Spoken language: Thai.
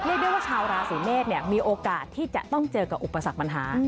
เรียกได้ว่าชาวราศีเมษมีโอกาสที่จะต้องเจอกับอุปสรรคปัญหา